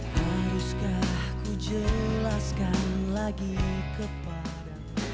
haruskah ku jelaskan lagi kepadamu